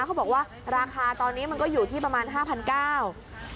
เขาบอกว่าราคาตอนนี้มันก็อยู่ที่ประมาณ๕๙๐๐บาท